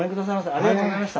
ありがとうございます。